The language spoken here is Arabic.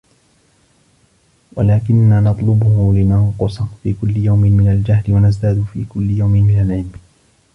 وَلَكِنَّا نَطْلُبُهُ لِنَنْقُصَ فِي كُلِّ يَوْمٍ مِنْ الْجَهْلِ وَنَزْدَادَ فِي كُلِّ يَوْمٍ مِنْ الْعِلْمِ